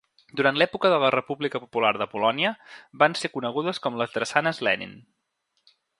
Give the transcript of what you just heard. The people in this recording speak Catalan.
Durant l'època de la República Popular de Polònia van ser conegudes com les Drassanes Lenin.